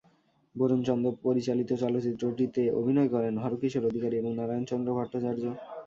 বরুণ চন্দ পরিচালিত চলচ্চিত্রটিতে অভিনয় করেন হরকিশোর অধিকারী এবং নারায়ণচন্দ্র ভট্টাচার্য।